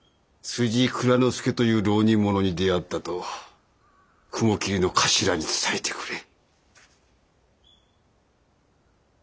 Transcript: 辻蔵之助という浪人者に出会ったと雲霧の頭に伝えてくれ。